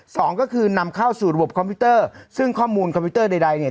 สองก็คือนำเข้าสู่ระบบคอมพิวเตอร์ซึ่งข้อมูลคอมพิวเตอร์ใดใดเนี่ย